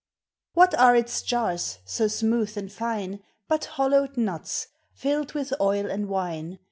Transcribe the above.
What are its jars, so smooth ami tine But hollowed nnts, filled with oil and wine.